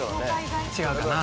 違うかな？